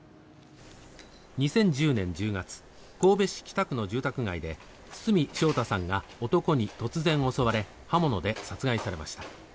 ２０１０年１０月神戸市北区の住宅街で堤将太さんが男に突然襲われ刃物で殺害されました。